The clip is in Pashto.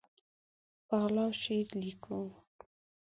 په غلا شعر لیکو